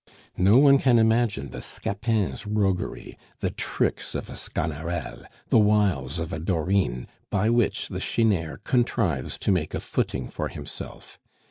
No one can imagine the Scapin's roguery, the tricks of a Sganarelle, the wiles of a Dorine by which the chineur contrives to make a footing for himself.